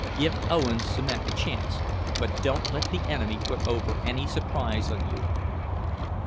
"Give Owens' cement a chance, but don't let the enemy put over any surprise on you."